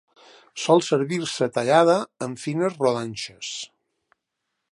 Sol servir-se tallada en fines rodanxes.